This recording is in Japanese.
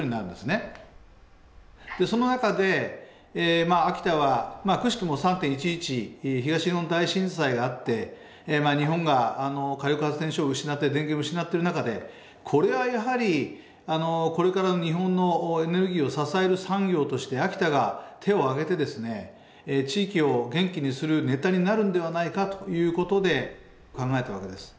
その中で秋田はくしくも３．１１東日本大震災があって日本が火力発電所を失って電源を失っている中でこれはやはりこれからの日本のエネルギーを支える産業として秋田が手を挙げて地域を元気にするネタになるのではないかということで考えたわけです。